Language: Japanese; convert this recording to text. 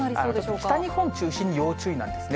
北日本中心に要注意なんですね。